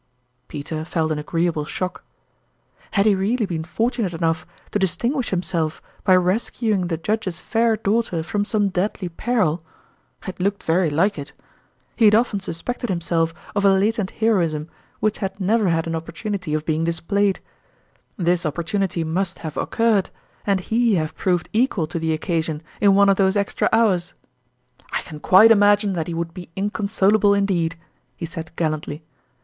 Peter felt an agreeable shock. Had he really been fortunate enough to distinguish himself by rescuing the Judge's fair daughter from some deadly peril ? It looked very like it. He had often suspected himself of a latent heroism which had never had an opportunity of being displayed. This opportunity must have occurred, and he have proved equal to the occasion, in one of those extra hours !" I can quite imagine that he would be in consolable indeed !" he said gallantly.